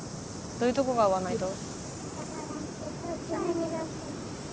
どういうとこが合わないと？